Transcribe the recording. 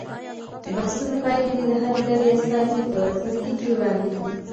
د بحثونو پایلې دې د هرې ډلې استازي په ټولګي کې وړاندې کړي.